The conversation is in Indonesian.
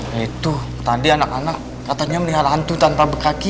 nah itu tadi anak anak katanya melihara hantu tanpa bekaki